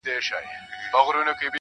o ستا تر ځوانۍ بلا گردان سمه زه.